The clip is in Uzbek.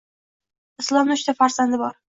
Islomni uchta farzandi bor